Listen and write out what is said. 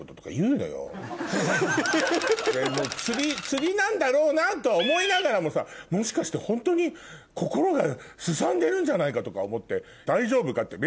釣りなんだろうなとは思いながらもさもしかしてホントに心がすさんでるんじゃないかとか思って。